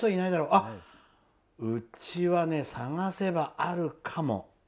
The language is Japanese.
あ、うちは探せばあるかも。